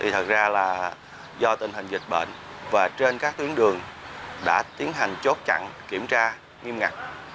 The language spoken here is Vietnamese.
thật ra là do tình hình dịch bệnh và trên các tuyến đường đã tiến hành chốt chặn kiểm tra nghiêm ngặt